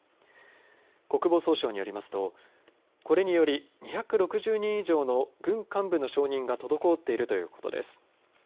国防総省によりますとこれにより２６０人以上の軍幹部の承認が滞っているということです。